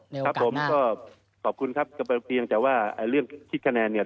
ครับผมก็ขอบคุณครับเพียงแต่ว่าเรื่องคิดคะแนนเนี่ย